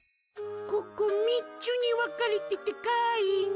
ここ３つに分かれてて可愛いね。